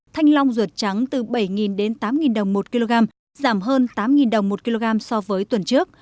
thanh long ruột trắng từ bảy đến tám đồng một kg giảm hơn tám đồng một kg so với tuần trước